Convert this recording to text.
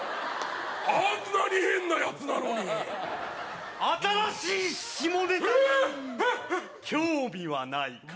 あんなに変なやつなのに新しい下ネタにえっえっえっ興味はないかい？